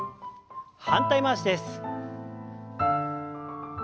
反対回しです。